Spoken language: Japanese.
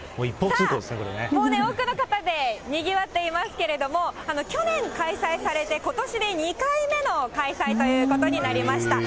もう多くの方でにぎわっていますけれども、去年開催されて、ことしで２回目の開催ということになりました。